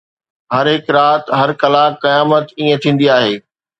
هر هڪ رات، هر ڪلاڪ، قيامت ائين ٿيندي آهي